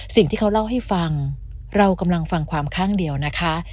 สิ่งที่เขาเล่าให้ฟังเรากำลังฟังความข้างเดียวนะคะ